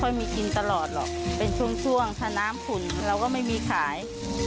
มีกินตลอดหรอกเป็นช่วงถ้าน้ำขุ่นเราก็ไม่มีขาย